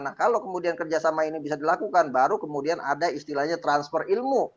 nah kalau kemudian kerjasama ini bisa dilakukan baru kemudian ada istilahnya transfer ilmu